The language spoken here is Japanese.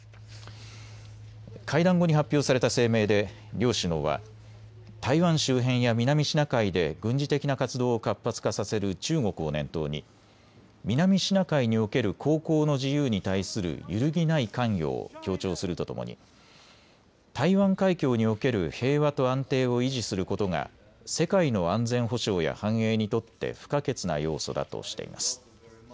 会談後に発表された声明で両首脳は台湾周辺や南シナ海で軍事的な活動を活発化させる中国を念頭に南シナ海における航行の自由に対する揺るぎない関与を強調するとともに台湾海峡における平和と安定を維持することが世界の安全保障や繁栄にとって不可欠な要素だとしています。